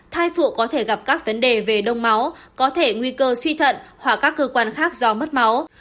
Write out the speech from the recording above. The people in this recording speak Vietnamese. thai phụ có thể gặp các vấn đề về đông máu có thể nguy cơ suy thận hoặc các cơ quan khác do mất máu